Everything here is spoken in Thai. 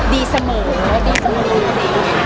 ดีสมมุตร